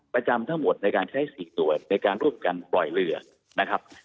ประจำทั้งหมดในการใช้๔ส่วนในการร่วมกันปล่อยเรือนะครับ